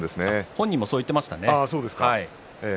本人もそう言っていましたね。